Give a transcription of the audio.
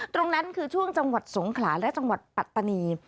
ตรงนั้นคือช่วงจังหวัดสงขลาและจังหวัดปัตตานี